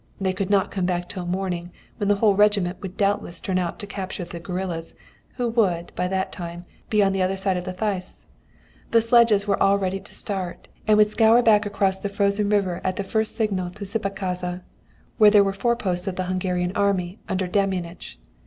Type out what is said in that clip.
They could not come back till morning, when the whole regiment would doubtless turn out to capture the guerillas, who would, by that time, be on the other side of the Theiss. The sledges were all ready to start, and would scour back across the frozen river at the first signal to Czibakhaza, where were the foreposts of the Hungarian army under Damjanich.